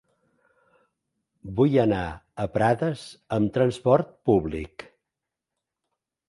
Vull anar a Prades amb trasport públic.